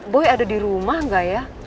boy ada di rumah nggak ya